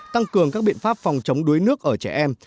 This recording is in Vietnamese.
tăng cường các biện pháp phòng chống đuối nước ở trẻ em